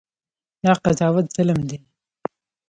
دا قضاوت ظلم دی.